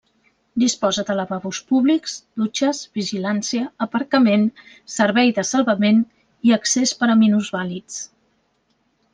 Disposa de lavabos públics, dutxes, vigilància, aparcament, servei de salvament i accés per a minusvàlids.